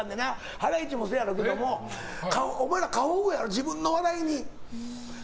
ハライチもそうやろうけどお前ら過保護やろ、自分の笑いに。